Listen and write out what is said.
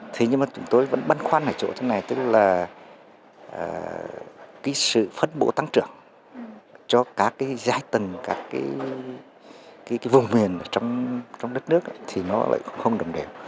thế nhưng mà chúng tôi vẫn băn khoăn ở chỗ thế này tức là sự phân bổ tăng trưởng cho các giai tầng các vùng nguyên trong đất nước thì nó lại không đồng đều